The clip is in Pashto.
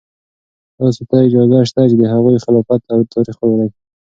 تاسو ته اجازه شته چې د هغوی د خلافت تاریخ ولولئ.